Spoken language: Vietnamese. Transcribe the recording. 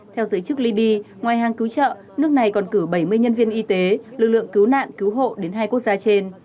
theo giới chức liby ngoài hàng cứu trợ nước này còn cử bảy mươi nhân viên y tế lực lượng cứu nạn cứu hộ đến hai quốc gia trên